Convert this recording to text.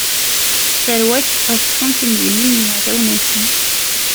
Tarwa-k ad ṭṭfen timdinin n yeɛdawen-nsen.